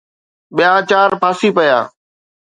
ٻيا چار ڦاسي پيا